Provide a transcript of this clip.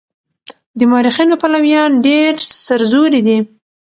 د مورخينو پلويان ډېر سرزوري دي.